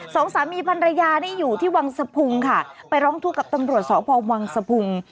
สองสามีภรรยานี่อยู่ที่วังสภุงค่ะไปร้องทวกกับตำรวจสอบภองวังสภุง